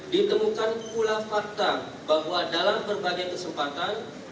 ditemukan pula fakta bahwa dalam berbagai kesempatan